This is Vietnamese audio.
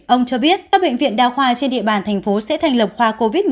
ông cho biết các bệnh viện đa khoa trên địa bàn thành phố sẽ thành lập khoa covid một mươi chín